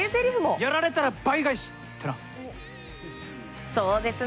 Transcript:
やられたら倍返しってな。